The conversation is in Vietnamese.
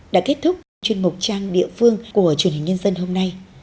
đã kết thúc chuyên mục trang địa phương của truyền hình nhân dân hôm nay